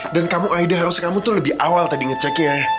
dan kamu aida harus kamu tuh lebih awal tadi ngecek ya